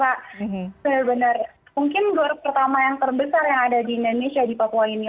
benar benar mungkin gor pertama yang terbesar yang ada di indonesia di papua ini